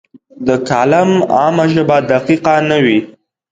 د کالم عامه ژبه دقیقه نه وي.